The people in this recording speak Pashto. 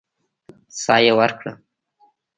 سا يې ورکړه.